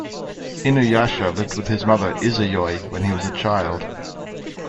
Inuyasha lived with his mother Izayoi when he was a child.